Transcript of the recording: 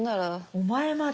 お前まで。